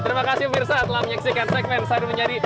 terima kasih mirsa telah menyaksikan segmen saharu menyari